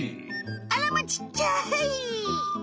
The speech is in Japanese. あらまちっちゃい。